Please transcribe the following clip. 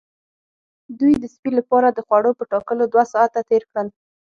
دوی د سپي لپاره د خوړو په ټاکلو دوه ساعته تیر کړل